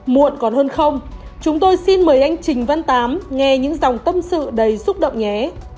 muộn còn hơn không chúng tôi xin mời anh trình văn tám nghe những dòng tâm sự đầy xúc động nhé